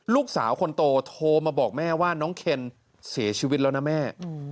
ลูกสาวคนโตโทรมาบอกแม่ว่าน้องเคนเสียชีวิตแล้วนะแม่